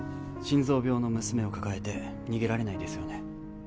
心臓病の娘を抱えて逃げられないですよね